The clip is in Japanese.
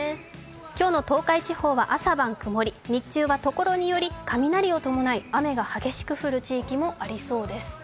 今日の東海地方は朝晩曇り、日中はところにより雷を伴い、雨が激しく降る地域もありそうです。